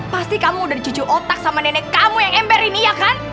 pasti kamu udah dicucu otak sama nenek kamu yang ember ini ya kan